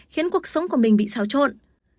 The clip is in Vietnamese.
khiến cuộc sống của mình bị xáo trộn